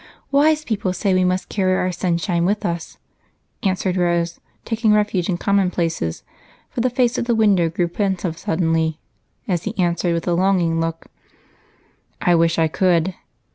"Wise people say we must carry our sunshine with us," answered Rose, taking refuge in commonplaces, for the face at the window grew pensive suddenly as he answered, with a longing look, "I wish I could."